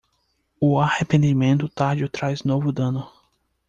O arrependimento tardio traz novo dano.